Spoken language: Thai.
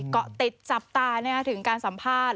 เกาะติดจับตาถึงการสัมภาษณ์